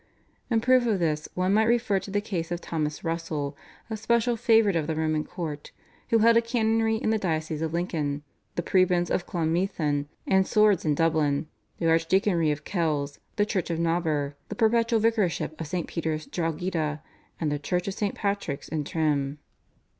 In proof of this one might refer to the case of Thomas Russel, a special favourite of the Roman Court, who held a canonry in the diocese of Lincoln, the prebends of Clonmethan and Swords in Dublin, the archdeaconry of Kells, the church of Nobber, the perpetual vicarship of St. Peter's, Drogheda, and the church of St. Patrick in Trim.